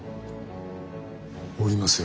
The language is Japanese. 降りますよ。